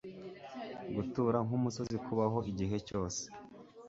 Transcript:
gutura nk'umusozi kubaho igihe cyose